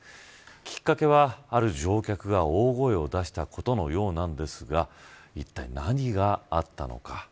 きっかけは、ある乗客が大声を出したことのようなんですがいったい何があったのか。